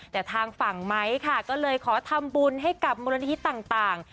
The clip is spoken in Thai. แต่ทางฝั่งไม้ค่ะก็เลยขอทำบุญให้กับมูลนิธิต่าง